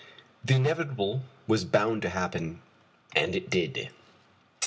The inevitable was bound to happen, and it did.